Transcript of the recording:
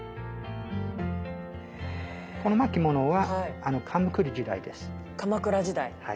この巻物は鎌倉時代です。